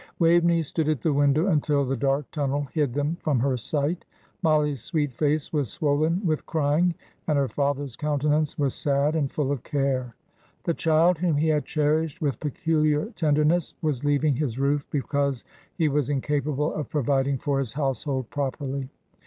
Waveney stood at the window until the dark tunnel hid them from her sight. Mollie's sweet face was swollen with crying, and her father's countenance was sad and full of care; the child whom he had cherished with peculiar tenderness was leaving his roof because he was incapable of providing for his household properly.